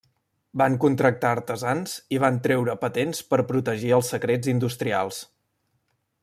Van contractar artesans i van treure patents per protegir els secrets industrials.